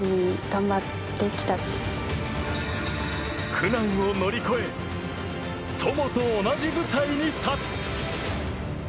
苦難を乗り越え友と同じ舞台に立つ。